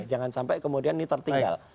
jangan sampai kemudian ini tertinggal